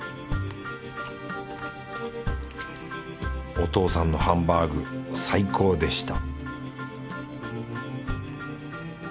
お父さんのハンバーグ最高でした